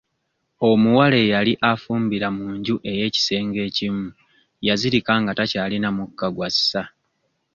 Omuwala eyali afumbira mu nju ey'ekisenge ekimu yazirika nga takyalina mukka gw'assa.